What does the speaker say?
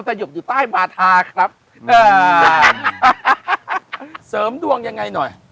สยบอยู่ใต้บาธาครับเสริมดวงยังไงหน่อย